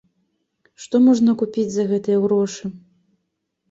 Што можна купіць за гэтыя грошы?